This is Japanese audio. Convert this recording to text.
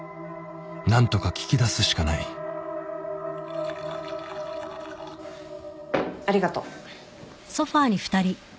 何とか聞き出すしかないありがとう。